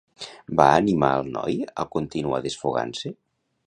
Va animar al noi a continuar desfogant-se?